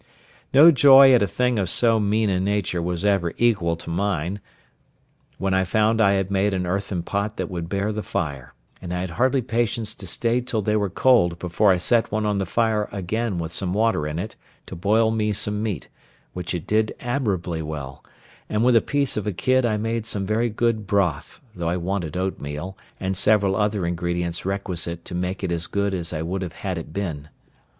No joy at a thing of so mean a nature was ever equal to mine, when I found I had made an earthen pot that would bear the fire; and I had hardly patience to stay till they were cold before I set one on the fire again with some water in it to boil me some meat, which it did admirably well; and with a piece of a kid I made some very good broth, though I wanted oatmeal, and several other ingredients requisite to make it as good as I would have had it been.